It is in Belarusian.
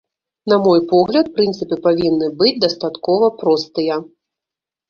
На мой погляд, прынцыпы павінны быць дастаткова простыя.